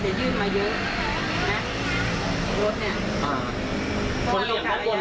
ใช่เพราะบ้าง